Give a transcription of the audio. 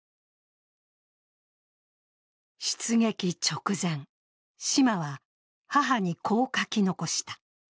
出撃直前、島は母にこう書き残した。